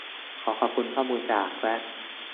ขอขอบคุณข้อมูลจาก และ